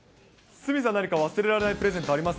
鷲見さん、何か忘れられないプレゼントあります？